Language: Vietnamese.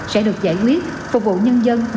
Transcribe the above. sẽ được giải quyết phục vụ nhân dân ngày càng tốt hơn